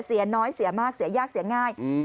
เสียน้อยเสียมากเสียยากเสียง่าย